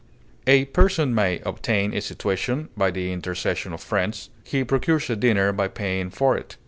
A person may obtain a situation by the intercession of friends, he procures a dinner by paying for it.